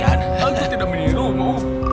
aku tidak menirumu